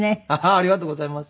ありがとうございます。